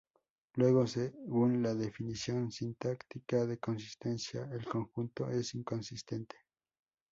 Luego, según la definición sintáctica de consistencia, el conjunto es inconsistente.